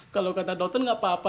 kalau kata dokter gak apa apa